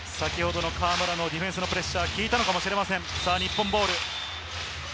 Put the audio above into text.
河村のディフェンスのプレッシャー、効いたのかもしれません、日本ボール。